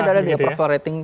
udah ada di approval rating